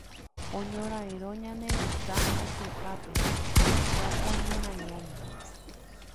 Oñorairõ ñane retã rayhupápe Chako ñorairõme.